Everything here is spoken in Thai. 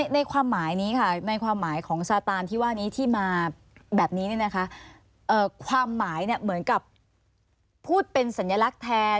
ในความหมายของซาตานที่มาแบบนี้ความหมายเหมือนกับพูดเป็นสัญลักษณ์แทน